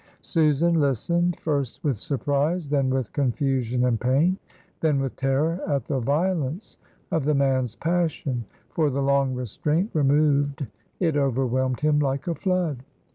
Susan listened; first with surprise, then with confusion and pain, then with terror at the violence of the man's passion; for, the long restraint removed, it overwhelmed him like a flood.